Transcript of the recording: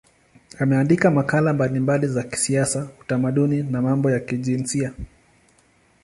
Ameandika makala mbalimbali za kisiasa, utamaduni na mambo ya kijinsia.